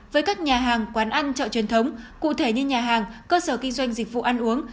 với các nhà hàng quán ăn chợ truyền thống cụ thể như nhà hàng cơ sở kinh doanh dịch vụ ăn uống